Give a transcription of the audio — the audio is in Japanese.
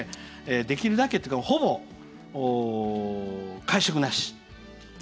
できるだけというよりほぼ会食なし。